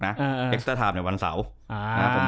เอ็กซ์เตอร์ไทม์ในวันเสาร์